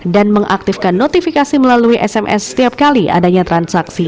dan mengaktifkan notifikasi melalui sms setiap kali adanya transaksi